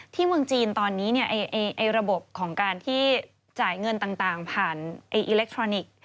เมืองจีนตอนนี้ระบบของการที่จ่ายเงินต่างผ่านอิเล็กทรอนิกส์